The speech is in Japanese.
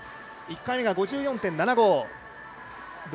１回目が５４．７５。